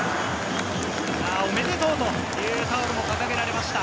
「おめでとう」というタオルも掲げられました。